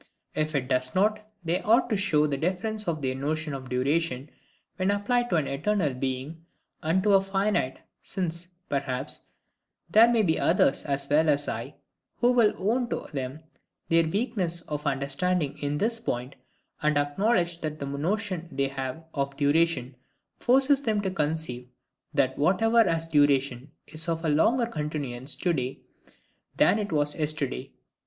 If it does not, they ought to show the difference of their notion of duration, when applied to an eternal Being, and to a finite; since, perhaps, there may be others as well as I, who will own to them their weakness of understanding in this point, and acknowledge that the notion they have of duration forces them to conceive, that whatever has duration, is of a longer continuance to day than it was yesterday.